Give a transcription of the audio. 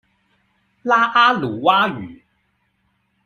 拉阿魯哇語